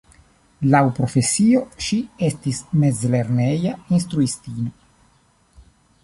Laŭ profesio, ŝi estis mezlerneja instruistino.